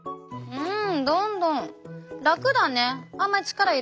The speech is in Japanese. うん。